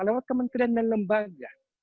lewat kementerian dan lembaga